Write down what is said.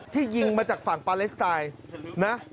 ยิงมาจากฝั่งปาเลสไตน์นะ